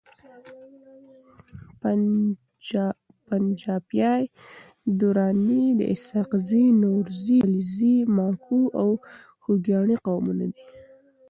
پنجپاي دراني د اسحاقزي، نورزي، علیزي، ماکو او خوګیاڼي قومونو دي